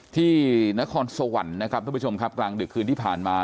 ที่นครสวรรค์ทั้งประชุมครับกลางดึกคืนที่ผ่านมา